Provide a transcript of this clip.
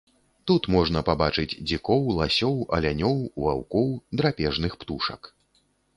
Тут можна пабачыць дзікоў, ласёў, алянёў, ваўкоў, драпежных птушак.